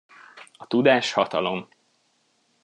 A tudás hatalom.